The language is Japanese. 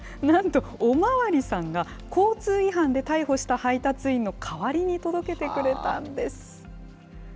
なんと、お巡りさんが交通違反で逮捕した配達員の代わりに届けてくれたんです。